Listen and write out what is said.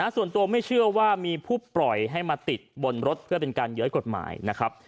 ส่วนตัวไม่เชื่อว่ามีผู้ปล่อยให้มาติดบนรถเพื่อเป็นการเย้ยกฎหมายนะครับ